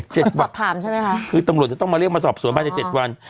เจ็ดวันสอบถามใช่ไหมคะคือตำรวจจะต้องมาเรียกมาสอบสวนบ้านในเจ็ดวัน